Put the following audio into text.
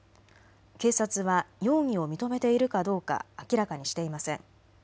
警察は容疑を認めているかどうか明らかにしていません。